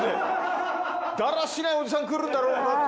だらしないおじさんが来るんだろうなと。